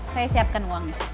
saya siapkan uang